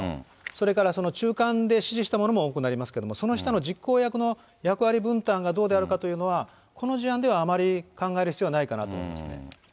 それからその中間で指示した者も重くなりますけど、その下の実行役の役割分担がどうであるかというのは、この事案ではあまり考える必要はないかなと思いますね。